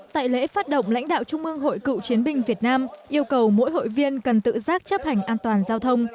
tại lễ phát động lãnh đạo trung mương hội cựu chiến binh việt nam yêu cầu mỗi hội viên cần tự giác chấp hành an toàn giao thông